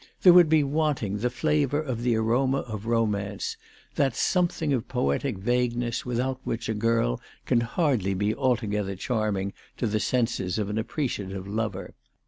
There would be wanting the flavour of the aroma of romance, that something of poetic vagueness without which a girl can hardly be altogether charming to the senses of an appreciative lover.